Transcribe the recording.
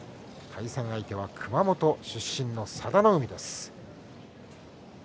対戦相手はご当所熊本出身の佐田の海です。